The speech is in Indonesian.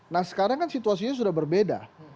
nah sekarang kan situasinya sudah berbeda